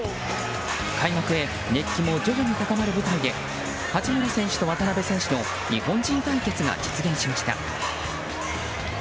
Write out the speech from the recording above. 開幕へ熱気も徐々に高まる舞台で八村選手と渡邊選手の日本人対決が実現しました。